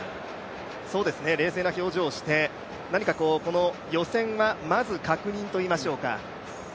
冷静な表情をして、予選はまず確認といいましょうか。